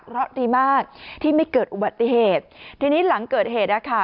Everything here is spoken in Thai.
เพราะดีมากที่ไม่เกิดอุบัติเหตุทีนี้หลังเกิดเหตุนะคะ